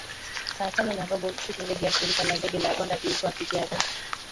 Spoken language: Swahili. Saa tano na robo usiku ndege ya shirika la ndege la Rwanda ilitua Kigali